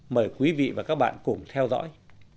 mời quý vị và các bạn cùng theo dõi